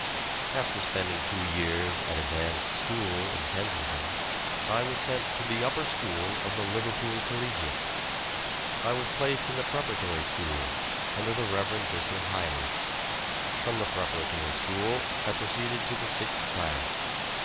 After spending two years at a dame's school at Kensington, I was sent to the upper school of the Liverpool Collegiate. I was placed in the preparatory school, under the Rev. Mr. Hiley. From the preparatory school I proceeded to the sixth class.